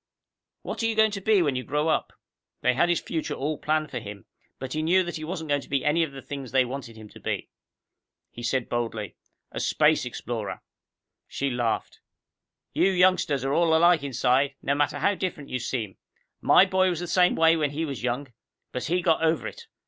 What are you going to be when you grow up?" They had his future all planned for him, but he knew that he wasn't going to be any of the things they wanted him to be. He said boldly, "A space explorer." She laughed. "You youngsters are all alike inside, no matter how different you seem. My boy was the same way when he was young. But he got over it.